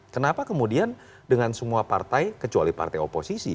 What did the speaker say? kenapa kemudian dengan semua partai kecuali partai oposisi